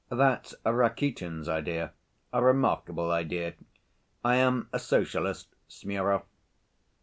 That's Rakitin's idea—a remarkable idea. I am a Socialist, Smurov."